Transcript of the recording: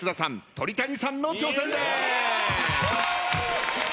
鳥谷さんの挑戦です。